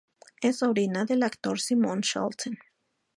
Es sobrina del actor Simon Shelton.